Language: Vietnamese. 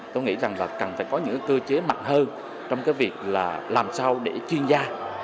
tôi nghĩ rằng là cần phải có những cơ chế mạnh hơn trong cái việc là làm sao để chuyên gia